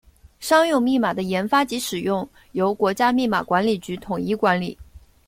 商用密码的研发及使用由国家密码管理局统一管理。